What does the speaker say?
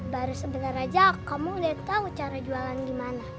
baru sebentar aja kamu lihat tahu cara jualan gimana